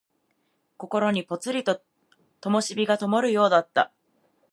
心にぽつりと灯がともるようだった。